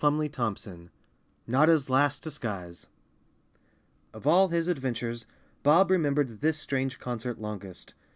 233 CHAPTER 18 Notta's Last Disguise O F all his adventures, Bob remembered this strange concert longest.